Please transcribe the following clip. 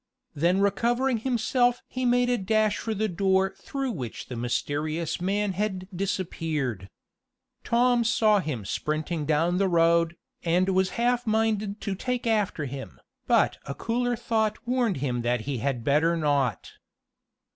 Then recovering himself he made a dash for the door through which the mysterious man had disappeared. Tom saw him sprinting down the road, and was half minded to take after him, but a cooler thought warned him that he had better not.